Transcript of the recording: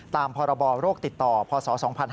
ตามพรบโรคติดต่อพศ๒๕๕๙